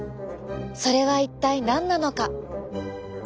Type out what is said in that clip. それは一体何なのか？